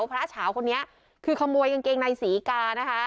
พระเฉาคนนี้คือขโมยกางเกงในศรีกานะคะ